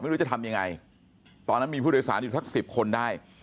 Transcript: ไม่รู้จะทำยังไงตอนนั้นมีผู้โดยสารอยู่สัก๑๐คนได้